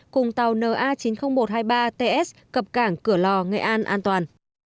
cùng tàu na chín mươi nghìn một trăm hai mươi ba ts cập cảng cửa lò nghệ an an toàn